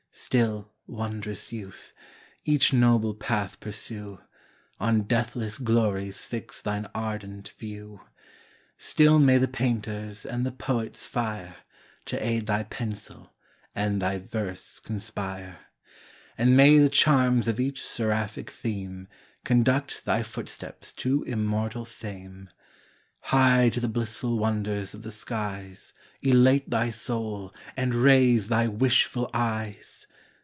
Still, wond'rous youth! each noble path pursue, On deathless glories fix thine ardent view: Still may the painter's and the poet's fire To aid thy pencil, and thy verse conspire! And may the charms of each seraphic theme Conduct thy footsteps to immortal fame! High to the blissful wonders of the skies Elate thy soul, and raise thy wishful eyes.